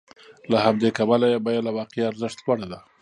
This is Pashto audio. له همدې کبله یې بیه له واقعي ارزښت لوړه ده